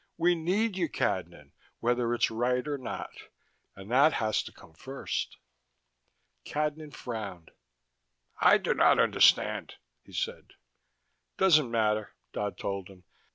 We need you, Cadnan, whether it's right or not: and that has to come first." Cadnan frowned. "I do not understand," he said. "Doesn't matter," Dodd told him.